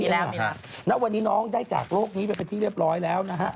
แล้วณวันนี้น้องได้จากโลกนี้ไปเป็นที่เรียบร้อยแล้วนะฮะ